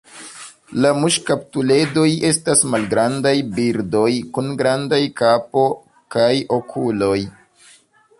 La muŝkaptuledoj estas malgrandaj birdoj kun grandaj kapo kaj okuloj.